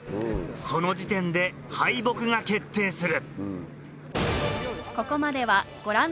その時点で敗北が決定する。